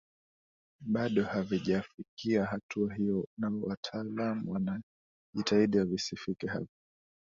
bado havijafikia hatua hiyo na wataalam wanajitahidi visifike hapo